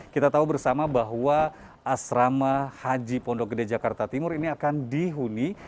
kita tahu bersama bahwa asrama haji pondok gede jakarta timur ini akan dihuni